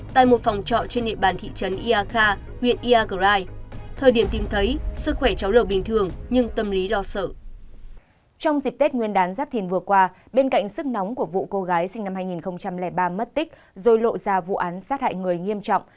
trong dịp tết nguyên đán giáp thìn vừa qua bên cạnh sức nóng của vụ cô gái sinh năm hai nghìn ba mất tích rồi lộ ra vụ án sát hại người nghiêm trọng